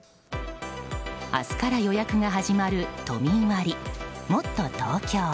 明日から予約が始まる都民割もっとＴｏｋｙｏ。